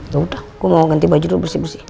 yaudah gue mau ganti baju dulu bersih bersih